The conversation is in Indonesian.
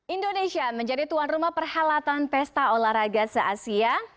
indonesia menjadi tuan rumah perhelatan pesta olahraga se asia